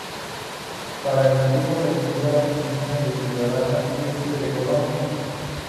Por tal motivo, recibió la distinción de Ciudadano Ilustre de Colonia.